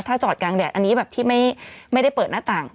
ถ้าจอดกลางแดดอันนี้แบบที่ไม่ได้เปิดหน้าต่าง